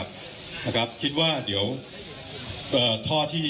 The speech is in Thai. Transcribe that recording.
คุณผู้ชมไปฟังผู้ว่ารัฐกาลจังหวัดเชียงรายแถลงตอนนี้ค่ะ